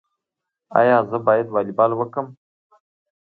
ایا زه باید والیبال وکړم؟